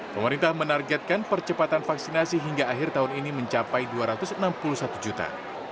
pemerintah menargetkan percepatan vaksinasi hingga akhir tahun ini mencapai dua ratus enam puluh satu juta